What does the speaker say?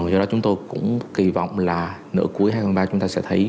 do đó chúng tôi cũng kỳ vọng là nửa cuối hai nghìn hai mươi ba chúng ta sẽ thấy